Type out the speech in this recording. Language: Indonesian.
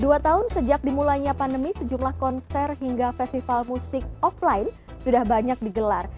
dua tahun sejak dimulainya pandemi sejumlah konser hingga festival musik offline sudah banyak digelar